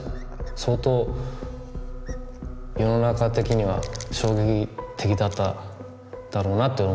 相当世の中的には衝撃的だっただろうなと思うんですけど。